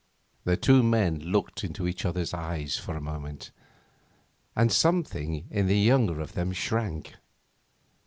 The two men looked into each other's eyes for a moment, and something in the younger of them shrank.